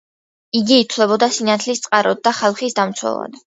იგი ითვლებოდა სინათლის წყაროდ და ხალხის დამცველად.